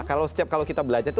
kalau setiap kalau kita belajar